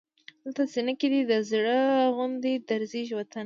دلته سینه کې دی د زړه غوندې درزېږي وطن